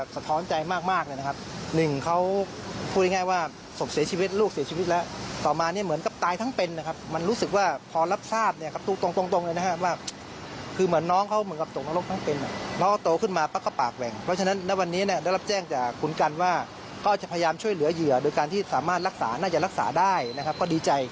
สามารถเลาะรักษาน่าจะเลาะรักษาได้นะครับก็ดีใจ